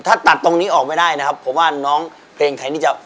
ถ้าตัดตรงนี้ออกไม่ได้นะครับผมว่าน้องเพลงไทยนี่จะ